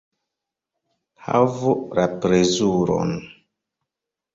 Havu la plezuron.